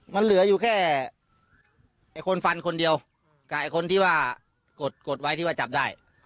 มันเหลืออยู่แค่ไอ้คนฟันคนเดียวกับไอ้คนที่ว่ากดกดไว้ที่ว่าจับได้